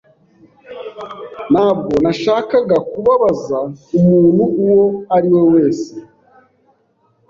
Ntabwo nashakaga kubabaza umuntu uwo ari we wese.